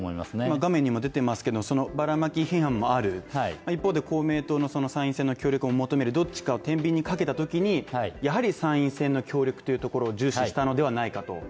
画面にも出てますけどバラマキ批判もある一方で公明党の参院選の協力を求めるどっちかを天秤にかけたときに、やはり参院選の協力というところを重視したのではないかと。